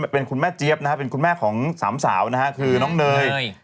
เป็นคุณแม่เจี๊ยบนะฮะเป็นคุณแม่ของสามสาวนะฮะคือน้องเนย